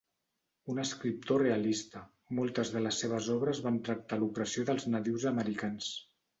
Un escriptor realista, moltes de les seves obres van tractar l'opressió dels nadius americans.